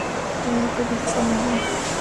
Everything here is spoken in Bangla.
আল্লাহ পবিত্র মহান।